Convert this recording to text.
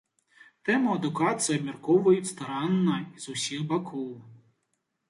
Тэму адукацыі абмяркоўваюць старанна і з усіх бакоў.